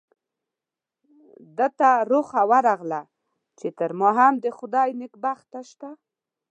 ده ته رخه ورغله چې تر ما هم د خدای نیک بنده شته.